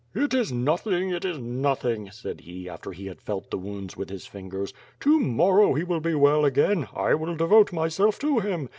"It is nothing; it is nothing," said he, after he had felt the wounds with his fingers. *'To morrow he will be well again; 1 will devote myself to him.